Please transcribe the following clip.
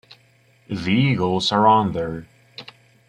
The Eagles are on there.